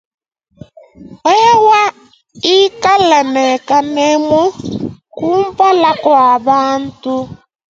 Wewa ikala ne kanemu kumpala kua bantu.